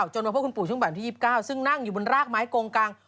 จนมาพบคุณปู่ช่วงบ่ายที่๒๙ซึ่งนั่งอยู่บนรากไม้โกงกลาง